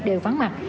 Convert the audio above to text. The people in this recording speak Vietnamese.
đều phán mặt